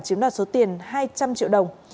chiếm đoạt số tiền hai trăm linh triệu đồng